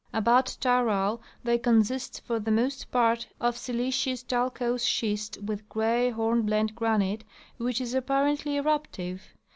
About Taral they consist for the most ]3art of siliceous talcose schist with gray hornblende granite, which is apparently eruptive.